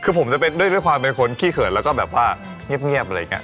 คือผมจะเป็นด้วยความเป็นคนขี้เขินแล้วก็แบบว่าเงียบอะไรอย่างนี้